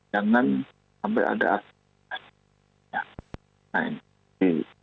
jangan sampai ada asli